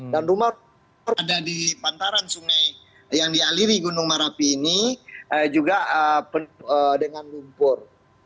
dan rumah ada di pantaran sungai yang dialiri gunung marapi ini juga penuh dengan lumpur